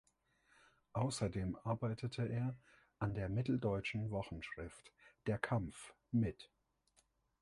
Außerdem arbeitete er an der mitteldeutschen Wochenschrift "Der Kampf" mit.